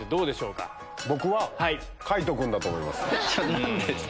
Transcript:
何でですか？